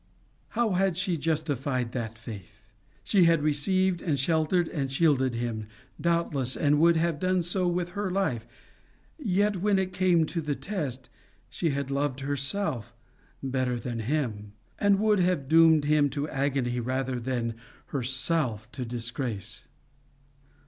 How had she justified that faith? She had received, and sheltered, and shielded him, doubtless, and would have done so with her life, yet, when it came to the test, she had loved herself better than him, and would have doomed him to agony rather than herself to disgrace.